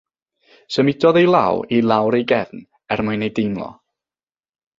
Symudodd ei llaw i lawr ei gefn er mwyn ei deimlo.